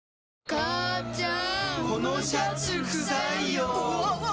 母ちゃん！